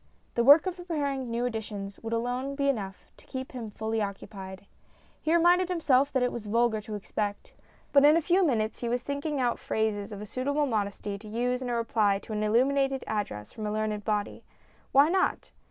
The work of preparing new editions would alone be enough to keep him fully occupied. He reminded himself that it was vulgar to expect ; but in a few minutes he was thinking out phrases of a suitable modesty to use in a reply to an illuminated address from a learned body. Why not?